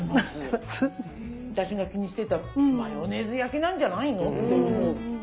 私が気にしてたマヨネーズ焼きなんじゃないの？っていう。